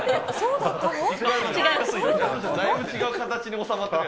だいぶ違う形に収まってきた。